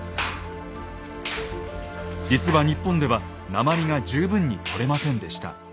実は日本では鉛が十分に採れませんでした。